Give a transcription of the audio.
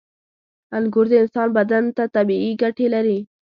• انګور د انسان بدن ته طبیعي ګټې لري.